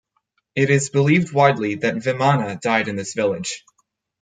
It is believed widely that Vemana died in this village.